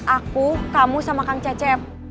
aku kamu sama kang cecep